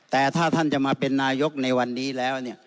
แต่ถ้าท่านจะมาเป็นนายกในวันนี้แล้วเนี่ย